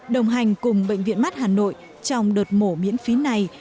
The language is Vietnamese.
đồng hành cùng bệnh viện mắt hà nội trong đợt mổ miễn phí này